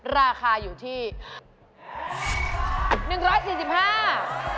ราคาอยู่ที่๑๔๕บาท